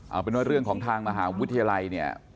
เอาเป็นว่าเรื่องของทางมหาวิทยาลัยเนี่ย